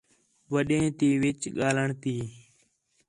وݙّیں تے وِچ ڳاہلݨ تی